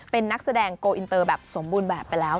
เป็นนักแสดงโกอินเตอร์แบบสมบูรณ์แบบไปแล้ว